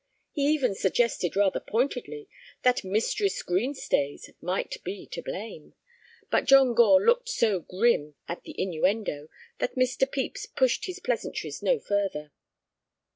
He even suggested rather pointedly that Mistress Green Stays might be to blame, but John Gore looked so grim at the innuendo that Mr. Pepys pushed his pleasantries no further.